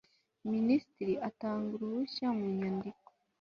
minisitiri atanga uruhushya mu nyandiko